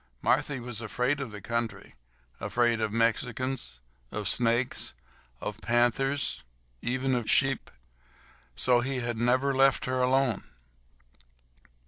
Marthy was afraid of the country—afraid of Mexicans, of snakes, of panthers, even of sheep. So he had never left her alone.